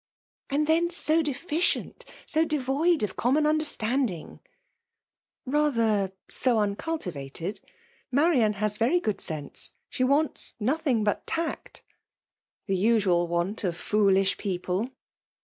*^'* And then so deficient ; so devoid of CQi^ mon understanding !".^" Rather, so uncultivated. Marian has very good sense. She wants nothing but tact." ^" The usual want of foolish people."